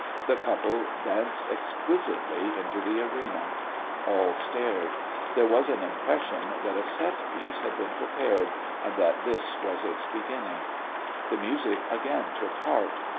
The couple danced exquisitely into the arena. All stared. There was an impression that a set piece had been prepared, and that this was its beginning. The music again took heart.